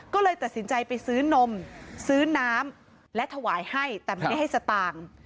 ก็เลยตัดสินใจไปซื้อนมซื้อน้ำและถวายให้แต่ไม่ได้ให้สตางค์